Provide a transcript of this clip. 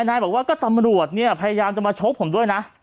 นายบอกว่าก็ตำรวจเนี่ยพยายามจะมาชกผมด้วยนะ